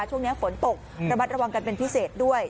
ช่วงนี้ฝนตกระมัดระวังกันเป็นพิเศษด้วย